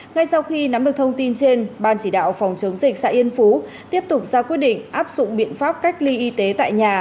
ngay sau khi nắm được thông tin trên ban chỉ đạo phòng chống dịch xã yên phú tiếp tục ra quyết định áp dụng biện pháp cách ly y tế tại nhà